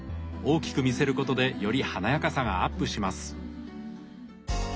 大きく見せることでより華やかさがアップします。